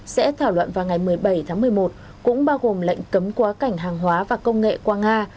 sẽ thảo luận vào ngày một mươi bảy tháng một mươi một cũng bao gồm lệnh cấm quá cảnh hàng hóa và công nghệ qua nga